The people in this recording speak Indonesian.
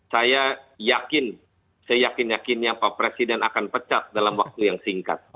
saya yakin seyakin yakinnya pak presiden akan pecat dalam waktu yang singkat